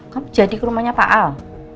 kan jadi ke rumahnya pak al